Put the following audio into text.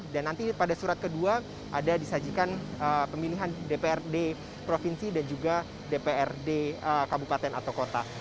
dan nanti pada surat kedua ada disajikan pemilihan dprd provinsi dan juga dprd kabupaten atau kota